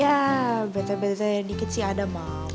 ya bete bete dikit sih ada mau